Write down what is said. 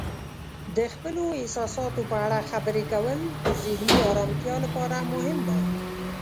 د خپلو احساساتو په اړه خبرې کول د ذهني آرامتیا لپاره مهم دی.